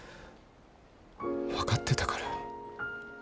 分かってたから。